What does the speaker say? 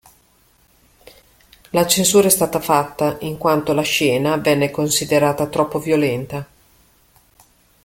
La censura è stata fatta in quanto la scena venne considerata "troppo violenta".